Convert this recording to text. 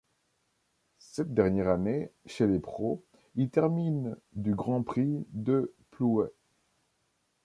Cette dernière année chez les pros, il termine du Grand Prix de Plouay.